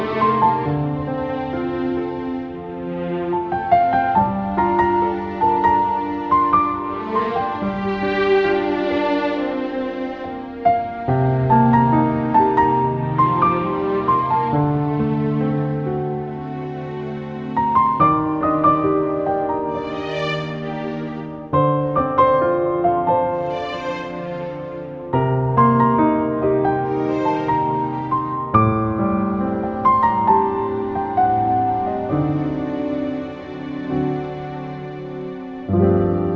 terima kasih atas dukunganmu